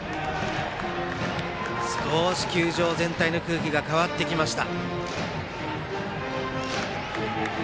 少し球場全体の空気が変わってきました。